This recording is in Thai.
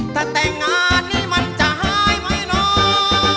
ถ้าแต่งงานนี่มันจะหายไหมเนอะ